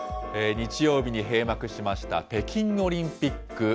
日曜日に閉幕しました北京オリンピック。